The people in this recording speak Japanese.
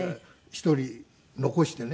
１人残してね